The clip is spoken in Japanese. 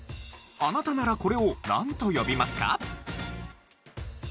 あなたならこれをなんと呼びますか？